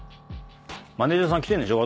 マネジャーさん来てんでしょ。